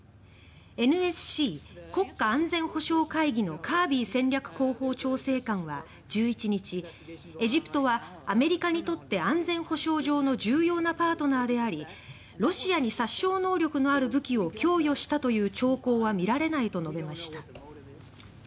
ＮＳＣ・国家安全保障会議のカービー戦略広報調整官は１１日エジプトはアメリカにとって安全保障上の重要なパートナーでありロシアに殺傷能力のある武器を供与したという兆候は見られないと述べました。